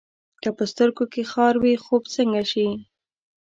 که په سترګو کې خار وي، خوب څنګه شي؟